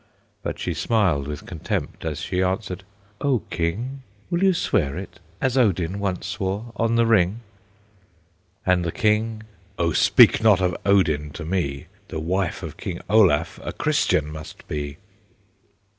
But she smiled with contempt as she answered: "O King, Will you swear it, as Odin once swore, on the ring?" And the King: "O speak not of Odin to me, The wife of King Olaf a Christian must be."